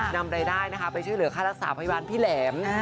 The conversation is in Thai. นำรายได้นะคะไปช่วยเหลือค่ารักษาพยาบาลพี่แหลม